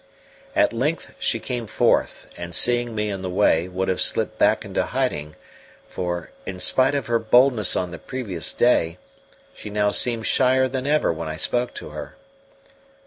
At length she came forth, and seeing me in the way, would have slipped back into hiding; for, in spite of her boldness on the previous day, she now seemed shyer than ever when I spoke to her.